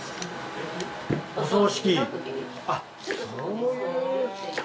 あっそういう。